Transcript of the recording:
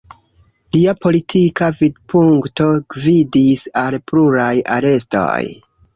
Lia politika vidpunkto gvidis al pluraj arestoj.